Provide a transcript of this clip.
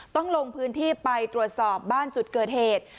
ต้องลงพื้นที่ไปตรวจสอบบ้านจุดเกิดเหตุ